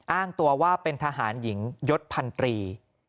อ้างตัวว่าเป็นทหารหญิงยศพันตรี